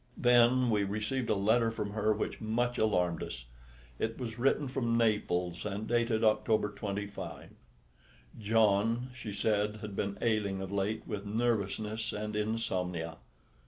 Then we received a letter from her which much alarmed us. It was written from Naples and dated October 25. John, she said, had been ailing of late with nervousness and insomnia.